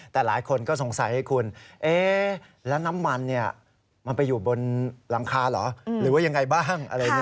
แต่หลายคนก็สงสัยให้คุณแล้วน้ำมันมันไปอยู่บนรังคาเหรอหรือว่าอย่างไรบ้าง